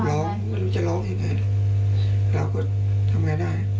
ร้องจะร้องยังไงเราก็ทำยังไงได้